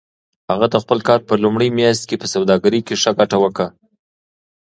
هغه د خپل کار په لومړۍ میاشت کې په سوداګرۍ کې ښه ګټه وکړه.